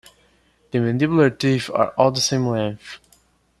The mandibular teeth are all the same length.